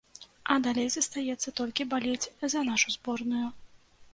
А далей застаецца толькі балець за нашу зборную.